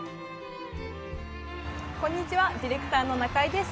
こんにちはディレクターの中井です。